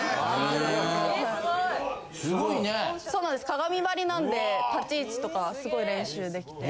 鏡張りなんで立ち位置とかすごい練習できて。